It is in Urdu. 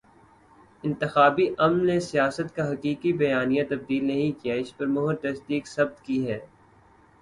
انتخابی عمل نے سیاست کا حقیقی بیانیہ تبدیل نہیں کیا، اس پر مہر تصدیق ثبت کی ہے۔